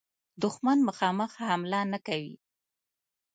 دښمن مخامخ حمله نه کوي.